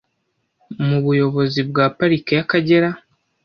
Mu buyobozi bwa parike y’Akagera